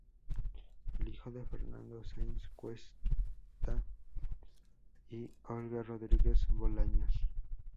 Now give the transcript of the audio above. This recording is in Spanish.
Es hijo de Fernando Sáenz Cuesta y Olga Rodríguez Bolaños.